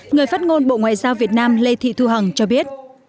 người phát ngôn bộ ngoại giao việt nam lê thị thu hằng cho biết